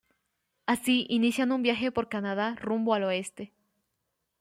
Así inician un viaje por Canadá rumbo al oeste.